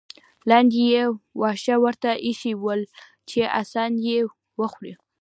لاندې یې واښه ورته اېښي ول چې اسان یې وخوري.